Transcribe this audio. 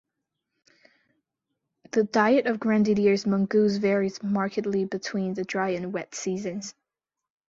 The diet of Grandidier's mongoose varies markedly between the dry and wet seasons.